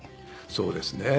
そうですね。